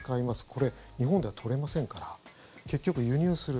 これ、日本では採れませんから結局輸入する。